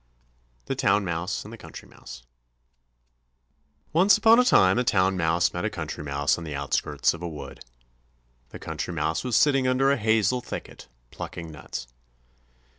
The Town Mouse and the Country Mouse Once upon a time a Town Mouse met a Country Mouse on the outskirts of a wood. The Country Mouse was sitting under a hazel thicket plucking nuts.